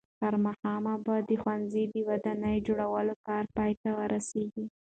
تر ماښامه به د ښوونځي د ودانۍ جوړولو کار پای ته ورسېږي.